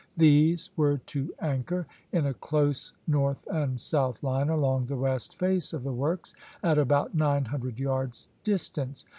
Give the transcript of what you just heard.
These were to anchor in a close north and south line along the west face of the works, at about nine hundred yards distance.